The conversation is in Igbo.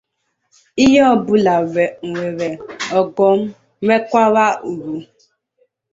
Ihe ọbụla nwere ọghọm nwekwara uru